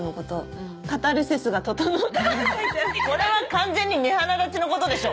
これは完全に目鼻立ちのことでしょ。